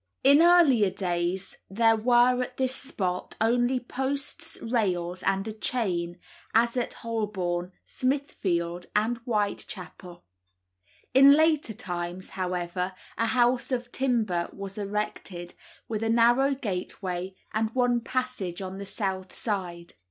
In earlier days there were at this spot only posts, rails, and a chain, as at Holborn, Smithfield, and Whitechapel. In later times, however, a house of timber was erected, with a narrow gateway and one passage on the south side.